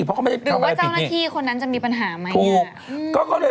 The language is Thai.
เพราะเขาไม่ได้ทำอะไรผิดนี่หรือว่าเจ้าหน้าที่คนนั้นจะมีปัญหาไหม